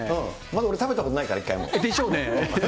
まだ俺、食べたことないから、一回も。